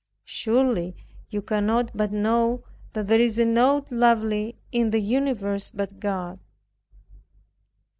Surely you cannot but know that there is nought lovely in the universe but God.